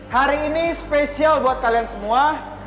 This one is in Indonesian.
hari ini spesial buat kalian semua